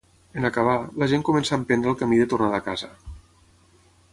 En acabar, la gent comença a emprendre el camí de tornada a casa.